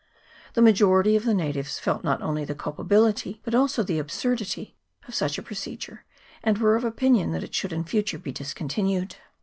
The majority of the natives felt not only the culpability, but also the absurdity, of such a procedure, and were of opinion that it should in future be discontinued.